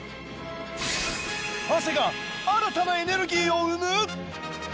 汗が新たなエネルギーを生む？